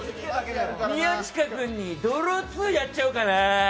宮近君にドローツーやっちゃおうかな。